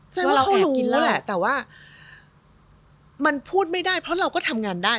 แสดงว่าเขารู้แล้วแหละแต่ว่ามันพูดไม่ได้เพราะเราก็ทำงานได้